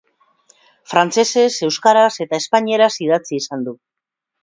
Frantsesez, euskaraz eta espainieraz idatzi izan du.